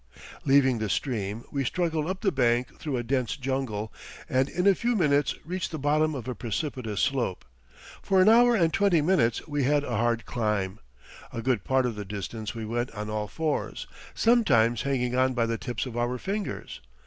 Leaving the stream, we struggled up the bank through a dense jungle, and in a few minutes reached the bottom of a precipitous slope. For an hour and twenty minutes we had a hard climb. A good part of the distance we went on all fours, sometimes hanging on by the tips of our fingers.